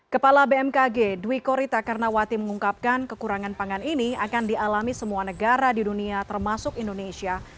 kepala bmkg dwi korita karnawati mengungkapkan kekurangan pangan ini akan dialami semua negara di dunia termasuk indonesia